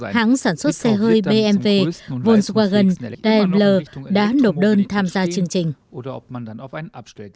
hãng sản xuất xe hơi bmw volkswagen dimller đã nộp đơn tham gia chương trình